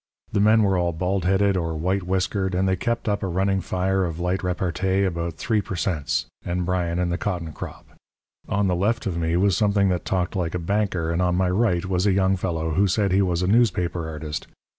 The men were all bald headed or white whiskered, and they kept up a running fire of light repartee about 3 per cents. and Bryan and the cotton crop. "On the left of me was something that talked like a banker, and on my right was a young fellow who said he was a newspaper artist.